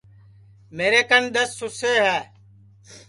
میر کن دؔس سُسے ہے